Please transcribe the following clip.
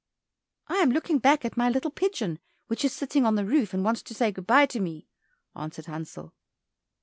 "I am looking back at my little pigeon which is sitting on the roof, and wants to say good bye to me," answered Hansel.